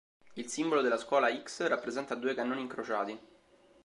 Il simbolo della scuola "X" rappresenta due cannoni incrociati.